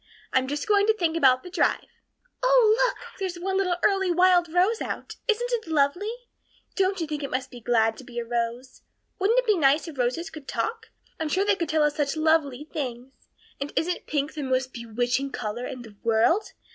I'm just going to think about the drive. Oh, look, there's one little early wild rose out! Isn't it lovely? Don't you think it must be glad to be a rose? Wouldn't it be nice if roses could talk? I'm sure they could tell us such lovely things. And isn't pink the most bewitching color in the world?